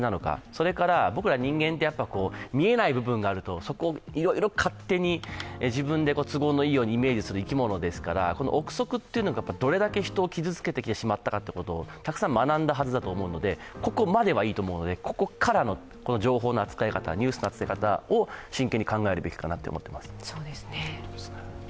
それから、僕ら人間は見えない部分があると、そこをいろいろ勝手に自分で都合のいいようにイメージする生き物ですから臆測というのがどれだけ人を傷つけてきてしまったかをたくさん学んだはずだと思うので、ここまではいいと思うのでここからの情報の扱い方、ニュースの扱い方を真剣に考えるべきかなと思っています。